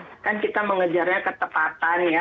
kalau ya kan kita mengejarnya ketepatan ya